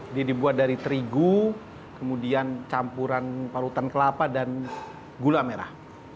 ini dibuat dari terigu kemudian campuran parutan kelapa dan gula merah